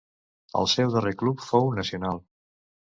El seu darrer club fou Nacional.